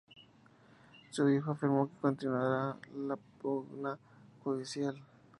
Su hijo afirmó que continuará la pugna judicial.